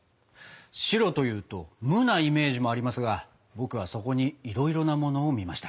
「白」というと「無」なイメージもありますが僕はそこにいろいろなものを見ました。